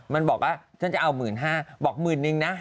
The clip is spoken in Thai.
มันบอกอะฉันจะเอา๑๕๐๐๐บอก๑๐๐๐๐นิงนะ